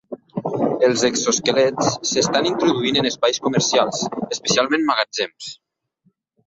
Els exo-esquelets s'estan introduint en espais comercials, especialment magatzems.